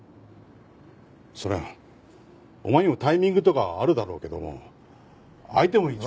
そりゃあお前にもタイミングとかあるだろうけども相手も一応。